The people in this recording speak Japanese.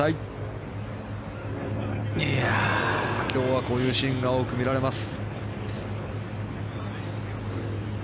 今日は、こういうシーンが多く見られます。